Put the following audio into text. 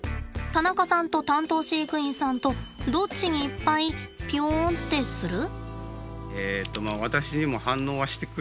田中さんと担当飼育員さんとどっちにいっぱいぴょんってする？